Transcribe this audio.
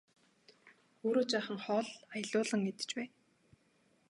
Өөрөө жаахан хоол аялуулан идэж байя!